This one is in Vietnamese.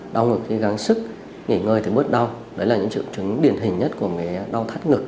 đau ngực khi gắng sức nghỉ ngơi thì bớt đau đấy là những triệu chứng điển hình nhất của bé đau thắt ngực